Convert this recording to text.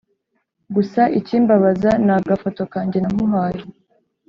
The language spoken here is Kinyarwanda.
Gusa ikimbabaza ni agafoto kanjye namuhaye